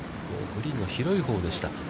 グリーンの広いほうでした。